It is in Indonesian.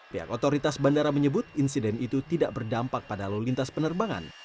pihak otoritas bandara menyebut insiden itu tidak berdampak pada lalu lintas penerbangan